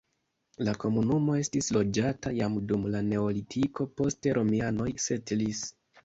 La komunumo estis loĝata jam dum la neolitiko, poste romianoj setlis.